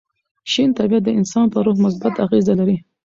شین طبیعت د انسان پر روح مثبت اغېزه لري.